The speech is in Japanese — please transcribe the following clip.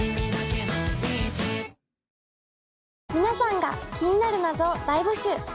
皆さんが気になる謎を大募集。